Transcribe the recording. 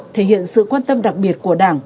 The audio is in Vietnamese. thể hiện sự quan tâm đặc biệt của đảng